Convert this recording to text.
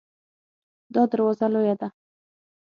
دا دروازه لویه ده